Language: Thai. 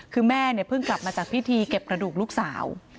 คือแม่เนี่ยเพิ่งกลับมาจากพิธีเก็บกระดูกลูกสาว